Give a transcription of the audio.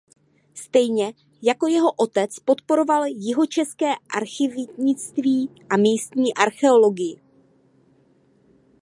Stejně jako jeho otec podporoval jihočeské archivnictví a místní archeologii.